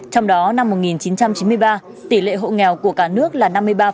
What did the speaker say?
trong đó năm một nghìn chín trăm chín mươi ba tỷ lệ hộ nghèo của cả nước là năm mươi ba